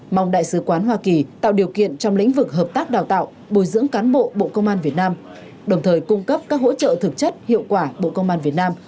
mong đại sứ quán hoa kỳ tạo điều kiện trong lĩnh vực hợp tác đào tạo bồi dưỡng cán bộ bộ công an việt nam đồng thời cung cấp các hỗ trợ thực chất hiệu quả bộ công an việt nam